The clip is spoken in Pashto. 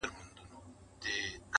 ځمه گريوان پر سمندر باندي څيرم,